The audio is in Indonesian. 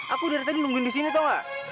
aku dari tadi nungguin disini tau gak